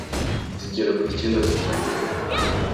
zigera ku icyenda zitandukanye.